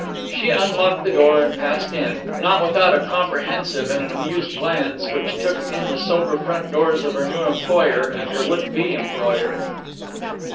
She unlocked the door and passed in, not without a comprehensive and an amused glance which took in the sober front doors of her new employer and her would be employer.